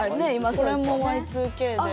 これもＹ２Ｋで。